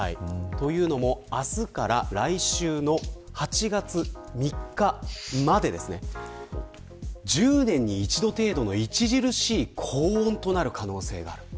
というのも、明日から来週の８月３日まで１０年に一度程度の著しい高温となる可能性がある。